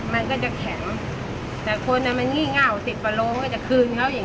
มันก็จะแข็งแต่คนนั้นมันงี่ง่าวสิบวันโลฯน้ำจะคืนเท่าอย่างนี้นะ